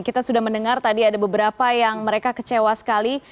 kita sudah mendengar tadi ada beberapa yang mereka kecewa sekali